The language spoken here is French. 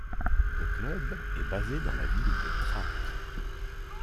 Le club est basé dans la ville de Trappes.